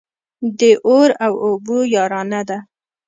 د اور او اوبو يارانه ده.